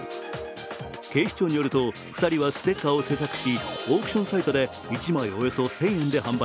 警視庁によると２人はステッカーを制作し、オークションサイトで一枚およそ１０００円で販売。